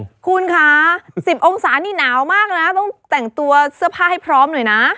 คุณคะ๑๐องศานี่หนาวมากนะต้องแต่งตัวเสื้อผ้าให้พร้อมหน่อยนะ